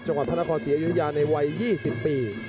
จังหวัดพระนครศรีอยุธยาในวัย๒๐ปี